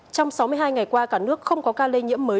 trong sáu mươi hai ngày qua cả nước không có ca lây nhiễm mới